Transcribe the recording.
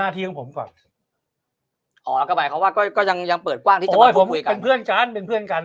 หน้าที่ของผมก่อนอ๋อก็แบบว่าก็ยังเปิดกว้างที่จะมาพูดกันโอ้ยผมเป็นเพื่อนกันเป็นเพื่อนกัน